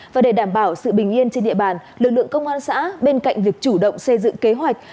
và để đảm bảo sự bình yên trên địa bàn lực lượng công an xã bên cạnh việc chủ động xây dựng kế hoạch